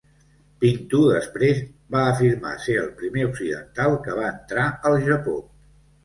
Pinto després va afirmar ser el primer occidental que va entrar al Japó.